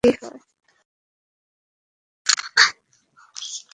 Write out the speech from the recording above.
দেখোই না কী হয়!